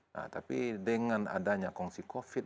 nah tapi dengan adanya kongsi covid